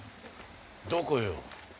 どこよ？